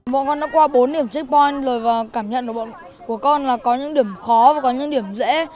bọn con đã qua bốn điểm checkpoint rồi và cảm nhận là bọn con có những điểm khó và có những điểm dễ